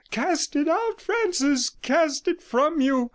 Cast it out, Francis; cast it from you.'